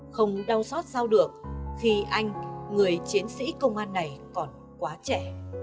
không đau xót sao được khi anh người chiến sĩ công an này còn quá trẻ